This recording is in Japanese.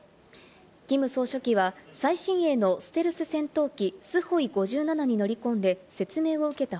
キム総書記は最新鋭のステルス戦闘機スホイ５７に乗り込んで、説明を受けた